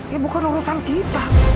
ya bukan urusan kita